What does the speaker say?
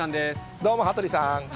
どうも、羽鳥さん。